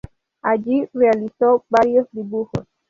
Allí realizó varios dibujos.